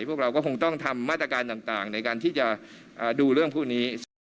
พวกเราก็คงต้องทำมาตรการต่างในการที่จะดูเรื่องพวกนี้นะครับ